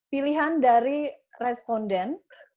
pilihan dari responden